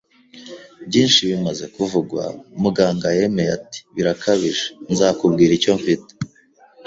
byinshi bimaze kuvugwa. ” Muganga yemeye ati: “Birakabije.” “Nzakubwira icyo mfite